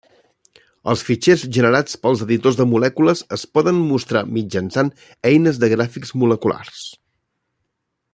Els fitxers generats pels editors de molècules es poden mostrar mitjançant eines de gràfics moleculars.